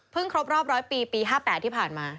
เพิ่งครบรอบร้อยปีปี๕๘ที่ผ่านมา